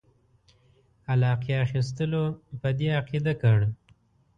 علاقې اخیستلو په دې عقیده کړ.